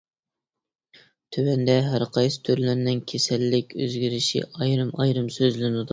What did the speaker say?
تۆۋەندە ھەرقايسى تۈرلىرىنىڭ كېسەللىك ئۆزگىرىشى ئايرىم-ئايرىم سۆزلىنىدۇ.